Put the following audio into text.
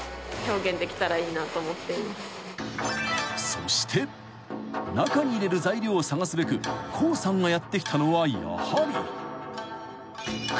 ［そして中に入れる材料を探すべく高さんがやって来たのはやはり］